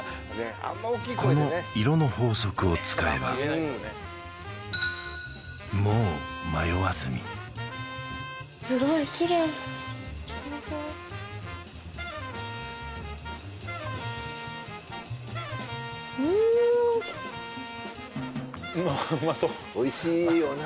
この色の法則を使えばもう迷わずにいただきますうーんっわあうまそうっおいしいよな